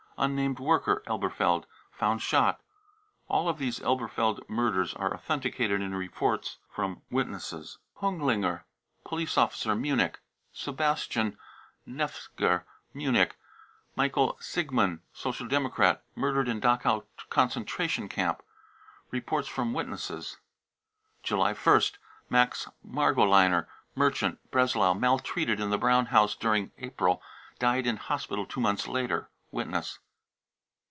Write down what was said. unnamed worker, Elberfeld, found shot. (All of these Elberfeld murders are authenticated in reports from witnesses.) hunglinger, police officer, Munich. Sebastian § 350 BROWN BOOK OF THE HITLER TERROR nefzger, Munich, michael sigman, Social Democrat, ram, dered in Dachau concentration camp. (Reports from wit nesses.) July i st. max margoliner, merchant, Breslau, maltreated in tlii Brown House during April, died in hospital two months later] (Witness.)